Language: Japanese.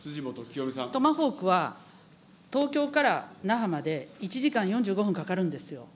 トマホークは、東京から那覇まで１時間４５分かかるんですよ。